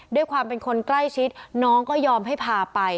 ด้วยความเป็นคนใกล้ชิดน้องก็ยอมให้พาไป